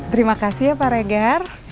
terima kasih ya pak regar